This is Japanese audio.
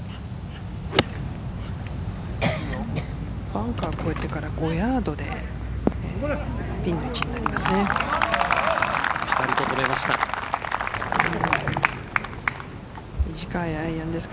バンカー越えてから５ヤードでピンの位置になります。